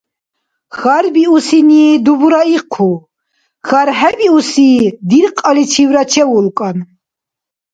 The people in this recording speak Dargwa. Хьарбиусини дубура ихъу, хьархӀебиуси диркьаличивра чевулкӀан.